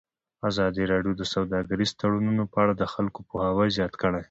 ازادي راډیو د سوداګریز تړونونه په اړه د خلکو پوهاوی زیات کړی.